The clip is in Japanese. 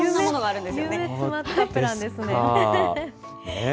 夢詰まったプランですね。